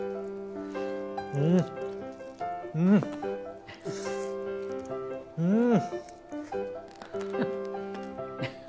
うんうんうん！